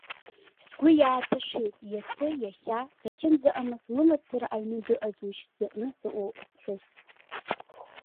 Сгәы иааҭашәеит, иацы, иахьа, сахьынӡаҟамыз, лымацара аҩны дыҟазушь зыҟны сыҟоу аԥҳәыс?